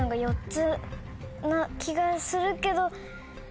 な気がするけど。